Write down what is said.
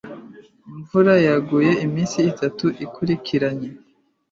Imvura yaguye iminsi itatu ikurikiranye.